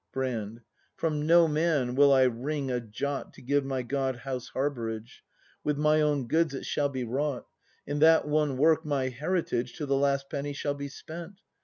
Brand. From no man will I wring a jot To give my God house harbourage: With my own goods it shall be wrought; In that one work mv heritage To the last penny shall be spent.